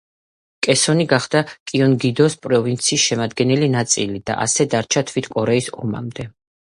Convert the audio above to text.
კესონი გახდა კიონგიდოს პროვინციის შემადგენელი ნაწილი და ასე დარჩა თვით კორეის ომამდე.